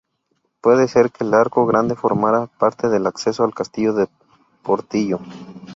Puede ser que el arco grande formara parte del acceso al castillo de Portillo.